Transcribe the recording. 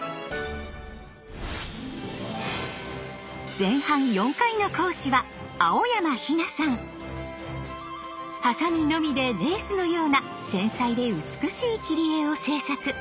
前半４回の講師はハサミのみでレースのような繊細で美しい切り絵を制作。